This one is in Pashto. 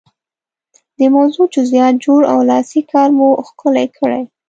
د موضوع جزئیات جوړ او لاسي کار مو ښکلی کړئ.